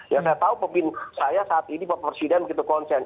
ya saya tahu pemimpin saya saat ini bapak presiden begitu konsen